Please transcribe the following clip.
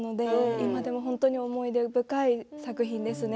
今でも思い出深い作品ですね